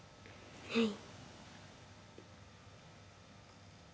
はい。